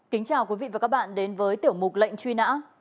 kính chào quý vị và các bạn đến với tiểu mục lệnh truy nã